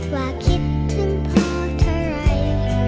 ว่าคิดถึงพ่อเท่าไหร่